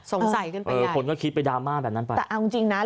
สงสัยกันไปเออคนก็คิดไปดราม่าแบบนั้นไปแต่เอาจริงจริงนะ